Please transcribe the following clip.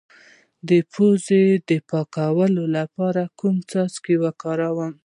د پوزې د پاکوالي لپاره کوم څاڅکي وکاروم؟